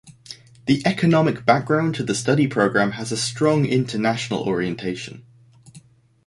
The economic background to the study program has a strong international orientation.